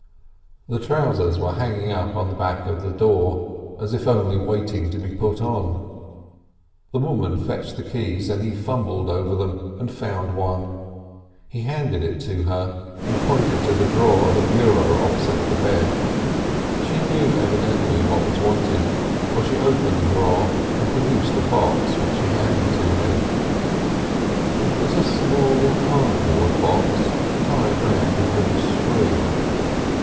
The trousers were hanging up on the back of the door, as if only waiting to be put on. The woman fetched the keys, and he fumbled over them and found one. He handed it to her, and pointed to the drawer of a bureau opposite the bed. She knew evidently what was wanted, for she opened the drawer and produced a box, which she handed to him. It was a small cardboard box tied round with a bit of string.